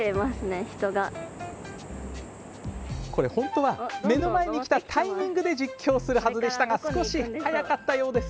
本当は目の前に来たタイミングで実況するはずでしたが少し早かったようです。